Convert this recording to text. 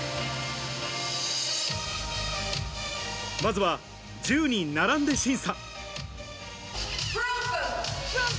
まずは、１０人並んで審査。